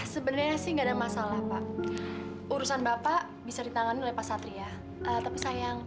sebenarnya sih enggak ada masalah pak urusan bapak bisa ditangani oleh pak satria tapi sayang